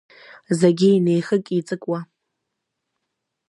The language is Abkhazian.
Зегьы инеихык-еиҵыкуа.